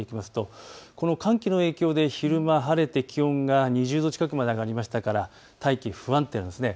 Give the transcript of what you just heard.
寒気の影響で昼間晴れて気温が２０度近くまで上がりましたから大気不安定なんですね。